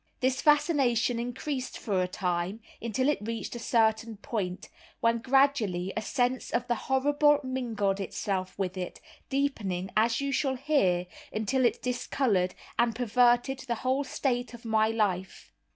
This fascination increased for a time, until it reached a certain point, when gradually a sense of the horrible mingled itself with it, deepening, as you shall hear, until it discolored and perverted the whole state of my life.